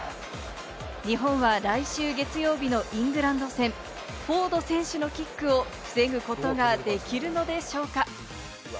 日本は来週月曜日のイングランド戦、フォード選手のキックを防ぐことができるのでしょうか？